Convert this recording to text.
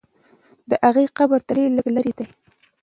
د هغې قبر تر څلي لږ لرې دی.